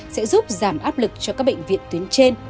sẽ giúp giảm áp lực cho các bệnh viện tuyến trên